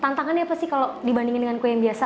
tantangannya apa sih kalau dibandingin dengan kue yang biasa